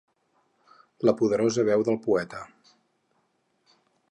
La poderosa veu del poeta.